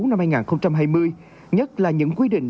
năm hai nghìn hai mươi nhất là những quy định